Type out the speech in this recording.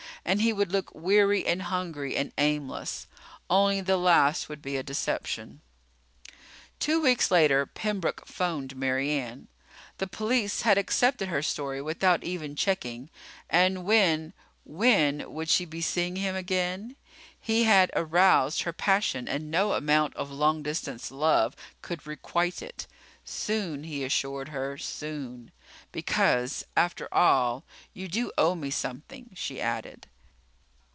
And he would look weary and hungry and aimless. Only the last would be a deception. Two weeks later Pembroke phoned Mary Ann. The police had accepted her story without even checking. And when, when would she be seeing him again? He had aroused her passion and no amount of long distance love could requite it. Soon, he assured her, soon. "Because, after all, you do owe me something," she added.